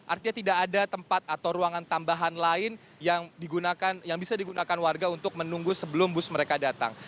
artinya tidak ada tempat atau ruangan tambahan lain yang bisa digunakan warga untuk menunggu sebelum bus mereka datang